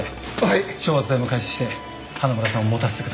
昇圧剤も開始して花村さんを持たせてください。